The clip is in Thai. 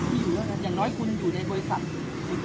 ตอนนี้กำหนังไปคุยของผู้สาวว่ามีคนละตบ